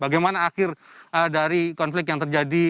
bagaimana akhir dari konflik yang terjadi